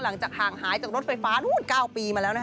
หลังจากห่างหายจากรถไฟฟ้านู้น๙ปีมาแล้วนะคะ